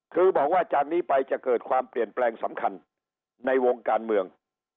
คือบอกว่าจากนี้ไปจะเกิดความเปลี่ยนแปลงสำคัญในวงการเมือง